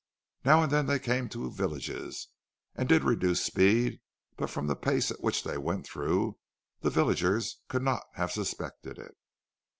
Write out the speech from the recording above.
Now and then they came to villages, and did reduce speed; but from the pace at which they went through, the villagers could not have suspected it.